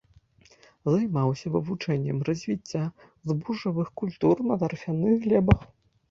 Займаўся вывучэннем развіцця збожжавых культур на тарфяных глебах.